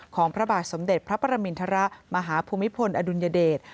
พระบาทสมเด็จพระประมินทรมาหาภูมิพลอดุลยเดช